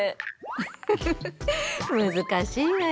ウッフフフ難しいわよねえ。